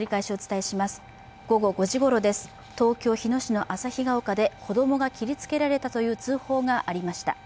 午後５時ごろです、東京・日野市の旭が丘で子供が切りつけられたという通報がありました。